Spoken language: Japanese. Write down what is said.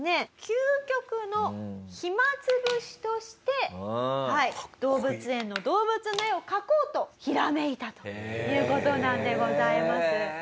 究極の暇潰しとして動物園の動物の絵を描こうとひらめいたという事なのでございます。